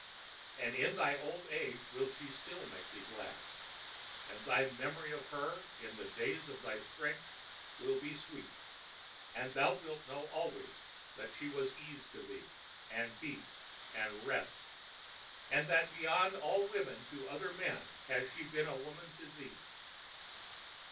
And in thine old age will she still make thee glad, and thy memory of her in the days of thy strength will be sweet, for thou wilt know always that she was ease to thee, and peace, and rest, and that beyond all women to other men has she been woman to thee."